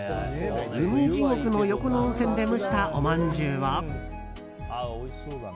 海地獄の横の温泉で蒸したおまんじゅうは。